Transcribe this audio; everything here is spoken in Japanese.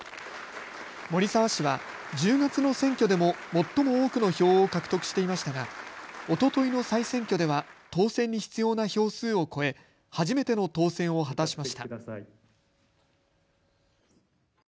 森澤氏は１０月の選挙でも最も多くの票を獲得していましたが、おとといの再選挙では当選に必要な票数を超え初めての当選を果たしました。